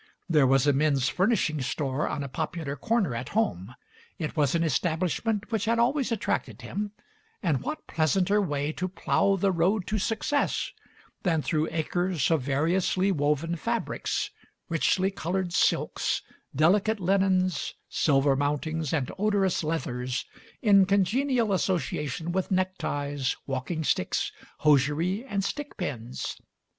There was a men's furnishing store on a popular corner at home; it was an establishment which had always attracted him, and what pleasanter way to plow the road to success than through acres of variously woven fabrics, richly coloured silks, delicate linens, silver mountings and odorous leathers, in congenial as sociation with neckties, walking sticks, hosiery, and stickpins?